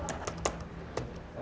kamu harus menggunakan komputer